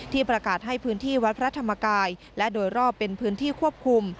ประกาศให้พื้นที่วัดพระธรรมกายและโดยรอบเป็นพื้นที่ควบคุม